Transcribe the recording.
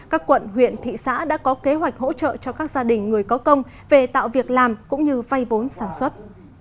các quận huyện thị xã đã có kế hoạch hỗ trợ cho các gia đình người có công về tạo việc làm cũng như vay vốn sản xuất